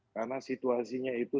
karena situasinya itu